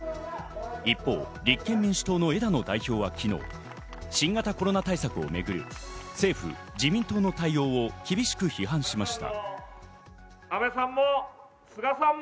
一方、立憲民主党の枝野代表は昨日、新型コロナ対策をめぐる政府・自民党の対応を厳しく批判しました。